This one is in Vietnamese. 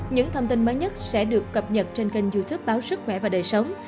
những thông tin mới nhất sẽ được cập nhật trên kênh youtube báo sức khỏe và đời sống